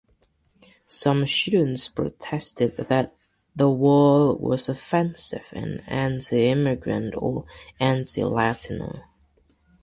Some students protested that the wall was offensive and anti-immigrant or anti-Latino.